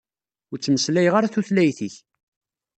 Ur ttmeslayeɣ ara tutlayt-ik.